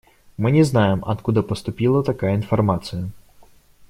Мы не знаем, откуда поступила такая информация.